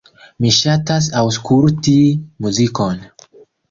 Mi ŝatas aŭskulti muzikon.